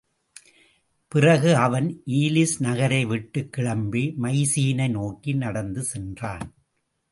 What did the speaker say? பிறகு அவன் ஈலிஸ் நகரை விட்டுக் கிளம்பி மைசீனை நோக்கி நடந்து சென்றான்.